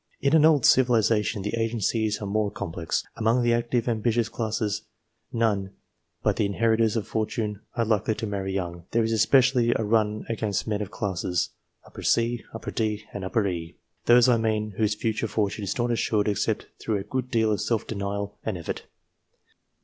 In an old civilization, the agencies are more complex. Among the active, ambitious classes, none but the inheritors of fortune are likely to marry young ; there is especially a run against men of classes C, D, and E those, I mean whose future fortune is not assured except through a good deal of self denial and effort.